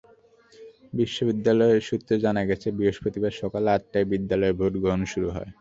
বিদ্যালয় সূত্রে জানা গেছে, বৃহস্পতিবার সকাল আটটায় বিদ্যালয়ে ভোট গ্রহণ শুরু হয়।